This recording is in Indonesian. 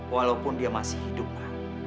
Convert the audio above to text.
walaupun dia masih hidup kan